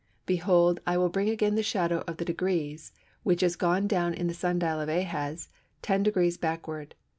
Behold, I will bring again the shadow of the degrees, which is gone down in the sun dial of Ahaz ten degrees backward.